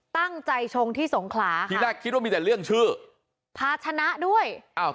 ชงที่สงขลาที่แรกคิดว่ามีแต่เรื่องชื่อภาชนะด้วยอ้าว